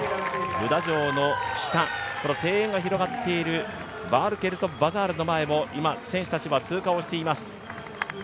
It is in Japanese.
ブダ城の下、庭園が広がっているヴァールケルト・バザールの前を今、選手たちは通過をしています。